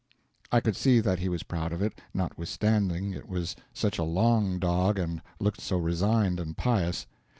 I could see that he was proud of it, not withstanding it was such a long dog and looked so resigned and pious.